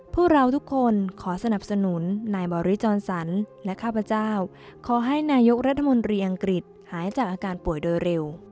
พวกเราทุกคนขอสนับสนุนนายบริจรสันและข้าพเจ้าขอให้นายกรัฐมนตรีอังกฤษหายจากอาการป่วยโดยเร็ว